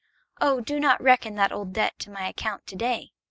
Oh, do not reckon that old debt to my account to day!